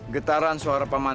getaran suara paman